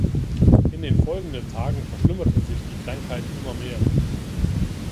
In den folgenden Tagen verschlimmerte sich die Krankheit immer mehr.